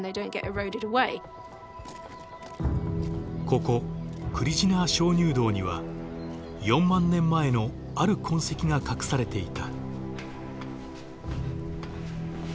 ここクリジナー鍾乳洞には４万年前のある痕跡が隠されていた。